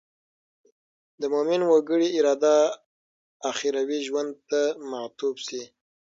د مومن وګړي اراده اخروي ژوند ته معطوف شي.